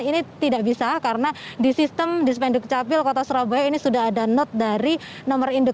ini tidak bisa karena di sistem di spenduk capil kota surabaya ini sudah ada not dari nomor indeks